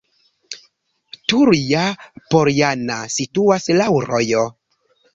Turja-Poljana situas laŭ rojo.